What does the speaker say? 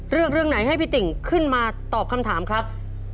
เรื่องไหนให้พี่ติ่งขึ้นมาตอบคำถามครับ